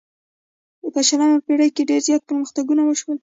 په شلمه پیړۍ کې ډیر زیات پرمختګونه وشول.